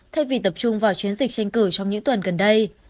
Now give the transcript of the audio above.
thay vì tập trung vào chiến dịch tranh cử trong những tuần gần đây